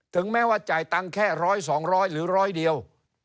ถึงแม้ว่าจ่ายตังค์แค่ร้อยสองร้อยหรือร้อยเดียว